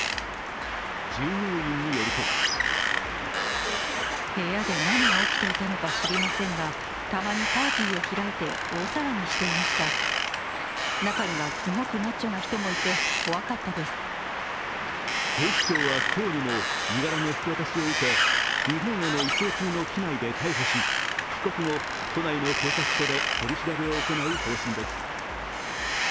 従業員によると警視庁は今日にも身柄の引き渡しを受け、日本への移送中の機内で逮捕し帰国後、都内の警察署で取り調べを行う方針です。